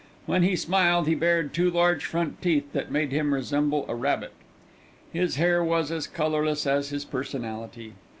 When he smiled he bared two large front teeth that made him resemble a rabbit. His hair was as colourless as his personality.